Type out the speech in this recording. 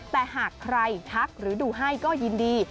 แต่หากใครทักหรือดูให้ก็ยินดี